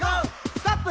「ストップ！」